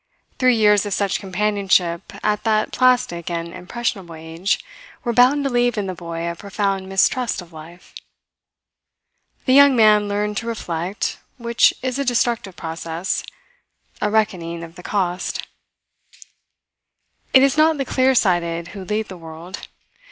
Three years of such companionship at that plastic and impressionable age were bound to leave in the boy a profound mistrust of life. The young man learned to reflect, which is a destructive process, a reckoning of the cost. It is not the clear sighted who lead the world.